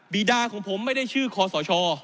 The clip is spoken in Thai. ีดาของผมไม่ได้ชื่อคอสช